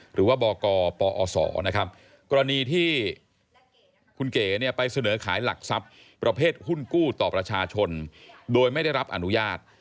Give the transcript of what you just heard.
หรือว่าบกปอศนะครับกรณีที่คุณเก๋เนี่ยไปเสนอขายหลักทรัพย์ประเภทหุ้นกู้ต่อประชาชนโดยไม่ได้รับอนุญาต